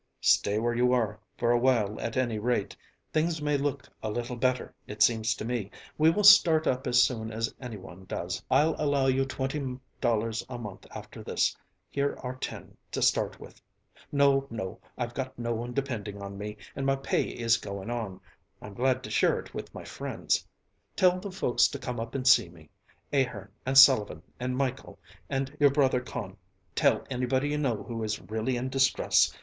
"Stay where you are, for a while at any rate. Things may look a little better, it seems to me. We will start up as soon as anyone does. I'll allow you twenty dollars a month after this; here are ten to start with. No, no, I've got no one depending on me and my pay is going on. I'm glad to share it with my friends. Tell the folks to come up and see me, Ahern and Sullivan and Michel and your brother Con; tell anybody you know who is really in distress.